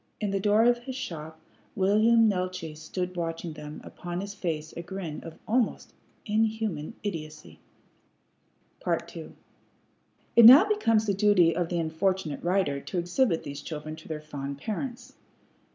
In the door of his shop William Neeltje stood watching them, upon his face a grin of almost inhuman idiocy. II It now becomes the duty of the unfortunate writer to exhibit these children to their fond parents.